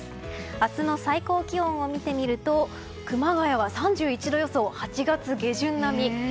明日の最高気温を見てみると熊谷は３１度予想、８月下旬並み。